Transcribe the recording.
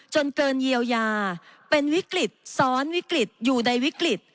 จนเกินเยียวยาเป็นวิกฤตซ้อนวิกฤตอยู่ในวิกฤต